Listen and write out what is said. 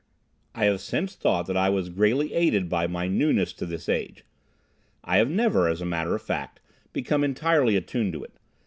I have since thought that I was greatly aided by my newness to this age. I have never, as a matter of fact, become entirely attuned to it.